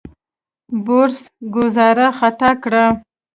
بوریس ګوزاره خطا کړه.